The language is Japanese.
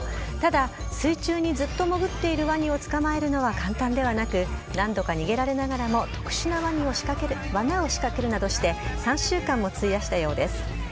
ただ、水中にずっと潜っているワニを捕まえるのは簡単ではなく、何度か逃げられながらも、特殊なわなを仕掛けるなどして、３週間も費やしたようです。